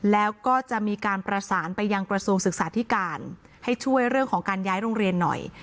แล้วก็จะมีการประสานไปยังกระทรวงศึกษาธิการให้ช่วยเรื่องของการย้ายโรงเรียนหน่อย